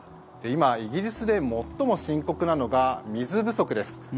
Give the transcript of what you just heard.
今、イギリスで最も深刻なのが水不足です。